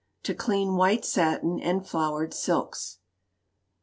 To Clean White Satin and Flowered Silks.